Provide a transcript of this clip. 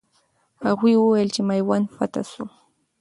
هغوی وویل چې میوند فتح سو.